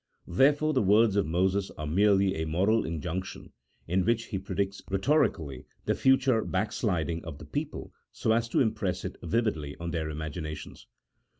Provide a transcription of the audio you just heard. Therefore the words of Moses are merely a moral injunction, in which he predicts rhetorically the future backsliding of the people so as to impress it vividly on their imaginations.